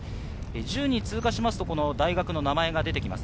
１０人通過すると大学の名前が出てきます。